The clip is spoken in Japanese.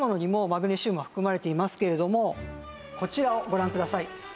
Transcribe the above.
こちらをご覧ください。